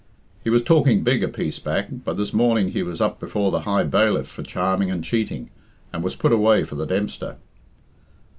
He was talking big a piece back, but this morning he was up before the High Bailiff for charming and cheating, and was put away for the Dempster.